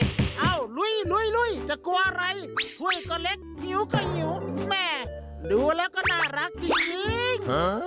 ครับร่อยจะกลัวอะไรไห้ก็เล็กผิวก็หิวแม่ดูแล้วก็น่ารักจริง